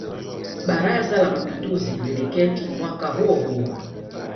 Baraza la Mapinduzi liliketi mwaka huo huo